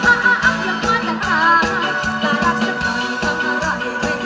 และรับมายเขามีจำหมด